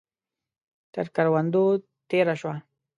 تر کروندو تېره شوه.